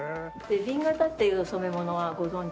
紅型っていう染め物はご存じでした？